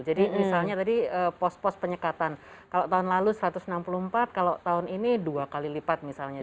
jadi misalnya tadi pos pos penyekatan kalau tahun lalu satu ratus enam puluh empat kalau tahun ini dua kali lipat misalnya